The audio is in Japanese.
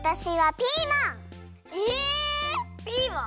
ピーマン？